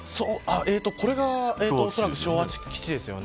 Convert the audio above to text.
これがおそらく昭和基地ですよね。